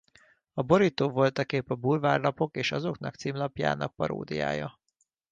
A borító voltaképp a bulvárlapok és azoknak címlapjának paródiája.